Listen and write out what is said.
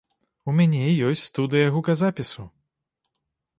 У мяне ёсць студыя гуказапісу.